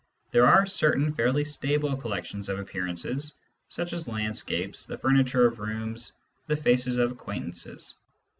There are certain fairly stable collec tions of appearances, such as landscapes, the furniture of rooms, the faces of acquaintances.